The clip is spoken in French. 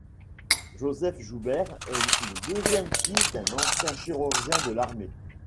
Joseph Joubert est le deuxième fils d'un ancien chirurgien de l'armée.